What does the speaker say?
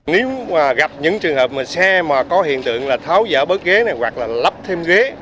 nếu gặp những trường hợp xe có hiện tượng tháo dở bớt ghế hoặc lắp thêm ghế